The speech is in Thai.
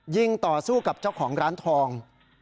ยิงต่อสู้กับเจ้าของร้านทอง